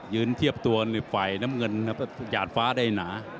ยืนเทียบตัวในฝ่ายน้ำเงินครับหยาดฟ้าได้หนา